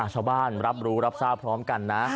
ชาวบ้านรับรู้รับทราบพร้อมกันนะ